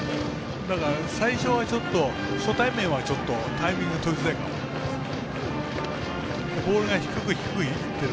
だから、最初はちょっと初対面はタイミングとりづらいかもしれない。